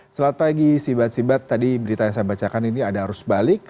selamat pagi sibat sibat tadi berita yang saya bacakan ini ada arus balik